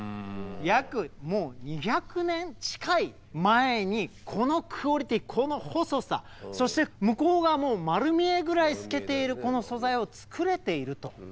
約２００年近い前にこのクオリティーこの細さそして向こう側もう丸見えぐらい透けているこの素材を作れていると。